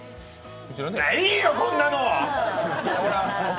いいよ、こんなの！！